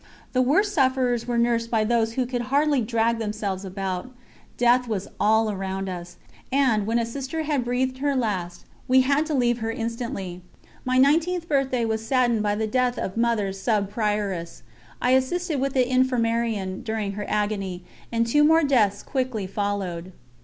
The worst sufferers were nursed by those who could hardly drag themselves about; death was all around us, and, when a Sister had breathed her last, we had to leave her instantly. My nineteenth birthday was saddened by the death of Mother Sub Prioress; I assisted with the infirmarian during her agony, and two more deaths quickly followed.